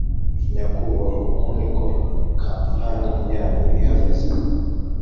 nyakubahwa uku niko kampani yanyu ihagaze